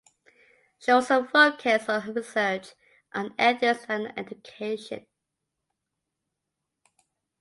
She also focused her research on ethics and education.